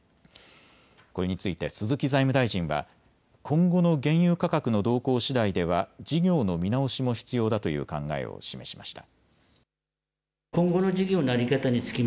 これについて鈴木財務大臣は今後の原油価格の動向しだいでは事業の見直しも必要だという考えを示しました。